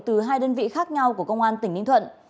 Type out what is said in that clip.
từ hai đơn vị khác nhau của công an tỉnh ninh thuận